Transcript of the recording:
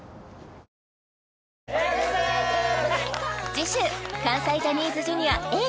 次週関西ジャニーズＪｒ．Ａぇ！